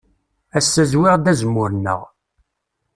Ass-a zwiɣ-d azemmur-nneɣ.